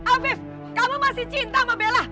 afif kamu masih cinta sama bela